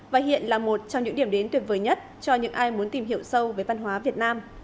và hiện là một trong những điểm đến tuyệt vời nhất cho những ai muốn tìm hiểu sâu về văn hóa việt nam